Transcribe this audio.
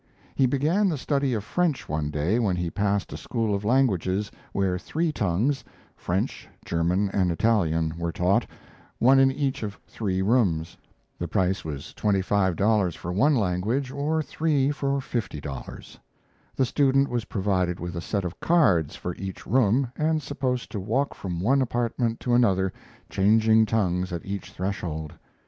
He began the study of French one day when he passed a school of languages, where three tongues, French, German, and Italian, were taught, one in each of three rooms. The price was twenty five dollars for one language, or three for fifty dollars. The student was provided with a set of cards for each room and supposed to walk from one apartment to another, changing tongues at each threshold.